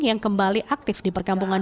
yang kembali aktif di perkampungan